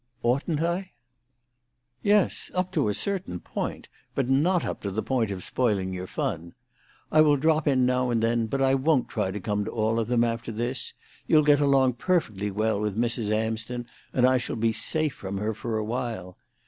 "Oughtn't I?" "Yes, up to a certain point, but not up to the point of spoiling your fun. I will drop in now and then, but I won't try to come to all of them, after this; you'll get along perfectly well with Mrs. Amsden, and I shall be safe from her for a while.